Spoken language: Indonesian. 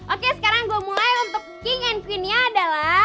oke sekarang gue mulai untuk king and queennya adalah